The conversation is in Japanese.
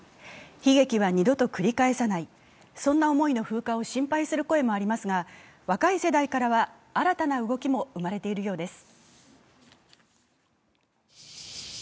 悲劇は二度と繰り返さない、そんな思いの風化を心配する声もありますが若い世代からは新たな動きも生まれているようです。